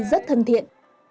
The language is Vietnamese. rất thân thiện